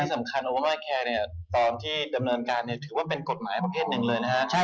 และที่สำคัญว่าโอบามาแคร์เนี่ยตอนที่ดำเนินการเนี่ยถือว่าเป็นกฎหมายประเภทหนึ่งเลยนะฮะ